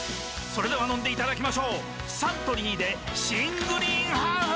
それでは飲んでいただきましょうサントリーで新「グリーンハーフ」！